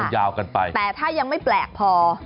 แต่ถ้ายังไม่แปลกพอ